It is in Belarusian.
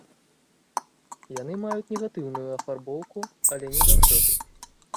Яны маюць негатыўную афарбоўку, але не заўсёды.